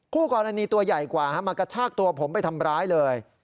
คู่กรณีตัวใหญ่กว่ามากระชากตัวผมไปทำร้ายเลย